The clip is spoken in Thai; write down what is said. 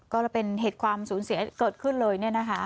ก็เป็นเหตุความสูญเสียเกิดขึ้นเลย